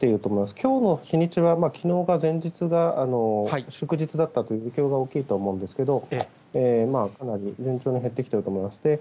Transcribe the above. きょうの日にちはきのうが、前日が祝日だったという状況が大きいと思うんですけれども、まあ、かなり順調に減ってきていると思います。